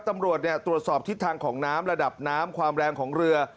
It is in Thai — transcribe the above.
ตำรวจตรวจสอบทิศทางของน้ำระดับน้ำความแรงของเรือ